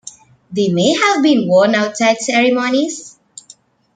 They may have been worn outside ceremonies.